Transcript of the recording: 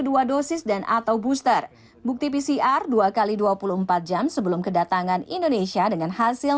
dua dosis dan atau booster bukti pcr dua x dua puluh empat jam sebelum kedatangan indonesia dengan hasil